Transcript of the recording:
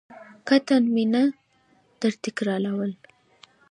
قطعاً مې نه درتکراروله.